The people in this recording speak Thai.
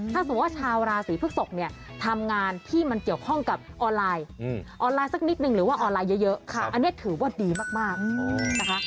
ถ้าสมมุติว่าชาวราศีพฤกษกเนี่ยทำงานที่มันเกี่ยวข้องกับออนไลน์ออนไลน์สักนิดนึงหรือว่าออนไลน์เยอะอันนี้ถือว่าดีมากนะคะ